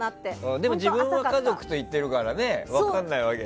でも、自分は家族と行っているからね分かんないわけで。